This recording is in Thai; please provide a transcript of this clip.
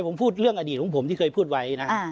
ผมพูดเรื่องอดีตของผมที่เคยพูดไว้นะ